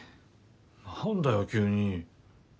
何だよ急に。